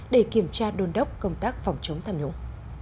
để kiểm tra đôn đốc công tác phòng chống tham nhũng